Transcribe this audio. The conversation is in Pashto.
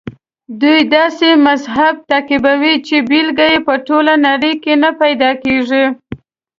دوی داسې مذهب تعقیبوي چې بېلګه یې په ټوله نړۍ کې نه پیدا کېږي.